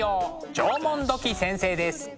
縄文土器先生です。